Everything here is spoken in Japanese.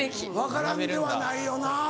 分からんではないよなぁ。